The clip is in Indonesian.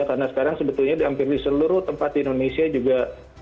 karena sekarang sebetulnya di hampir seluruh tempat di indonesia juga